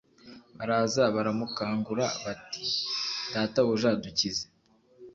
Baraza baramukangura bati Databuja dukize